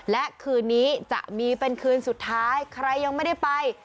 และคืนนี้จะมีเป็นคืนสุดท้ายใครยังไม่ได้ไป